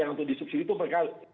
yang disubsidi itu mereka